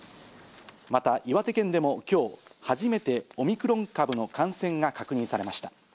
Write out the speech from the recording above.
また、岩手県でもきょう、初めてオミクロン株の感染が確認されました。